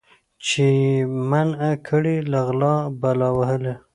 چي یې منع کړي له غلا بلا وهلی